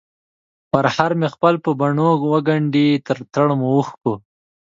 پرهر مې خپل په بڼووګنډی ، دتړمو اوښکو،